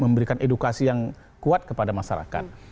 memberikan edukasi yang kuat kepada masyarakat